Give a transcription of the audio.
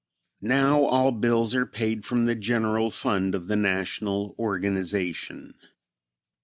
Now all bills are paid from the general fund of the National organization.